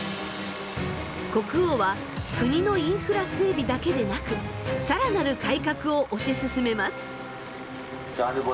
国王は国のインフラ整備だけでなく更なる改革を推し進めます。